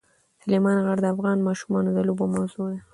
سلیمان غر د افغان ماشومانو د لوبو موضوع ده.